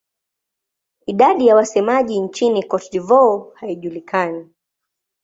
Idadi ya wasemaji nchini Cote d'Ivoire haijulikani.